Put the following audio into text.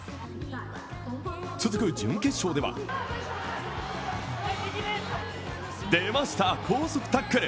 続く準決勝では、出ました、高速タックル！